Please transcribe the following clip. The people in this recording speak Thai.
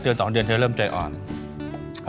แม่บ้านประจันบัน